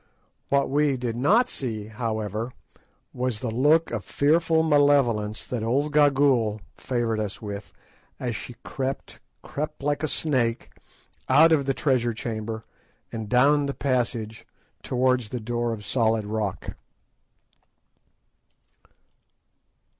What we did not see, however, was the look of fearful malevolence that old Gagool favoured us with as she crept, crept like a snake, out of the treasure chamber and down the passage towards the door of solid rock.